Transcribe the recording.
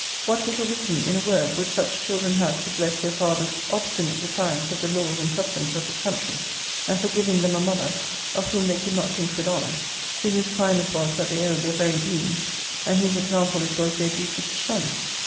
What little reason, in a word, would such children have to bless their father's obstinate defiance of the laws and customs of his country; and for giving them a mother, of whom they could not think with honour; to whose crime it was that they owed their very beings, and whose example it was their duty to shun?